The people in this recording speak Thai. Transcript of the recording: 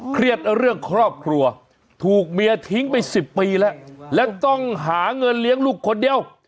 เครียดเรื่องครอบครัวถูกเมียทิ้งไป๑๐ปีแล้วแล้วต้องหาเงินเลี้ยงลูกคนเดียว